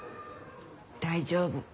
大丈夫。